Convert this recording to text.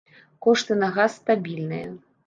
Кошты на газ стабільныя.